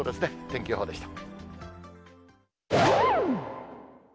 天気予報でした。